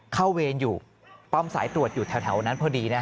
เวรอยู่ป้อมสายตรวจอยู่แถวนั้นพอดี